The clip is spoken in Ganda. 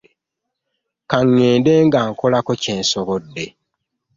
Ka ŋŋende nga nkolako kye nsobodde.